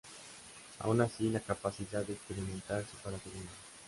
Aún así, la capacidad de experimentar su paradigma.